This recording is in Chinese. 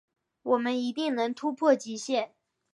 我们一定能突破极限